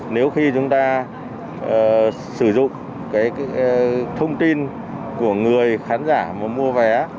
nếu khi chúng ta sử dụng cái thông tin của người khán giả muốn mua vé